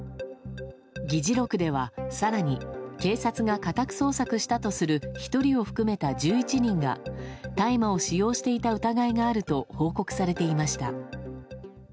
議事録では更に警察が家宅捜索したとする１人を含めた１１人が大麻を使用していた疑いがあると報告されていました。